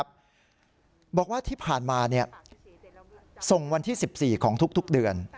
บอกว่าที่ผ่านมาส่งวันที่๑๔ของทุกเดือน